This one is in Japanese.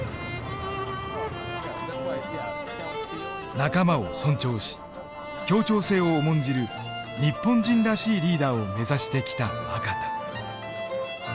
仲間を尊重し協調性を重んじる日本人らしいリーダーを目指してきた若田。